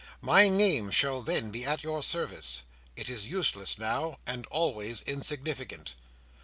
My name shall then be at your service; it is useless now, and always insignificant."